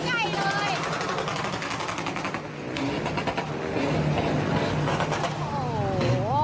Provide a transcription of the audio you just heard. โอ้โห